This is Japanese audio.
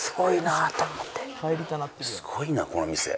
すごいなこの店。